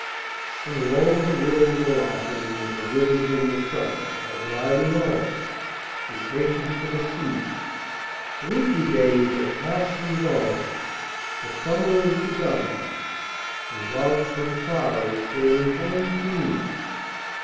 And low the rills are laughing, and the rivers in the sun Are gliding on, impatient for the sea; The wintry days are past and gone, the summer is begun, And love from far is sailing home to me!